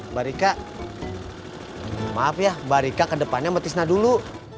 mbak rika maaf ya mbak rika ke depannya sama tisna dulu